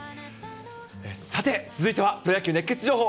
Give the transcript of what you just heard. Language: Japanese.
さて続いてはプロ野球熱ケツ情報。